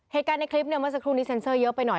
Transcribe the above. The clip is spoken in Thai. เหตุการณ์ในคลิปเนี่ยเมื่อสักครู่นี้เซ็นเซอร์เยอะไปหน่อย